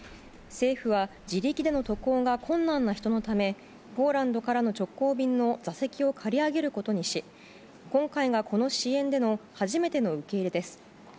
政府は自力での渡航が困難な人のため、ポーランドからの直行便の座席を借り上げることにし、今回がこの支援での初めての受け入れです。